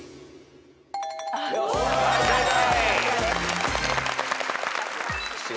はい正解。